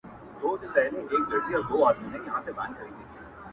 په يوه دانه اوښکه دې دواړې سترگي نم سه گراني!!